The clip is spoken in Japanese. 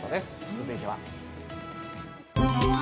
続いては。